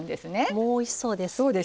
もうおいしそうです。